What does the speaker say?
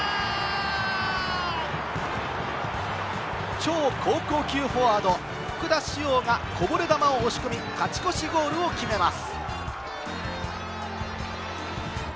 超高校級フォワード・福田師王が、こぼれ球を押し込み、勝ち越しゴールを決めます。